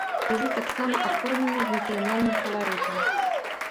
Прызы таксама аформлены з нацыянальным каларытам.